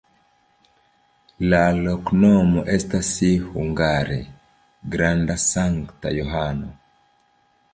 La loknomo estas hungare: granda-Sankta Johano.